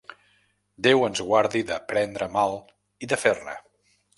Déu ens guardi de prendre mal i de fer-ne.